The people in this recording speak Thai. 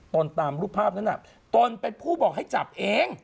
ตามรูปภาพนั้นตนเป็นผู้บอกให้จับเอง